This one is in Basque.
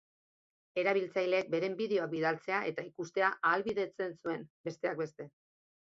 Erabiltzaileek beren bideoak bidaltzea eta ikustea ahalbidetzen zuen, besteak beste.